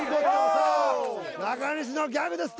さあ中西のギャグです